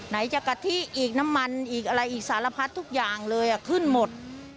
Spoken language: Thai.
ไหนจะกะทิอีกน้ำมันอีกอะไรอีกสารพัดทุกอย่างเลยขึ้นหมด